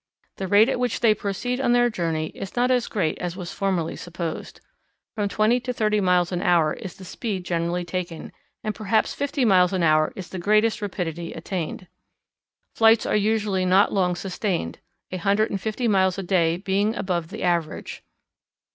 The rate at which they proceed on their journey is not as great as was formerly supposed. From twenty to thirty miles an hour is the speed generally taken, and perhaps fifty miles an hour is the greatest rapidity attained. Flights are usually not long sustained, a hundred and fifty miles a day being above the average.